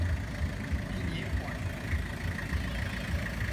Il n’y est point.